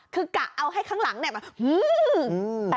คือกะเอาให้ข้างหลังเนี่ยแบบฮือ